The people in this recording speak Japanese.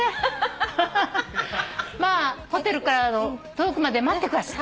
ハハハまあホテルから届くまで待ってください。